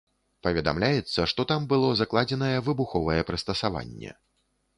Паведамляецца, што там было закладзенае выбуховае прыстасаванне.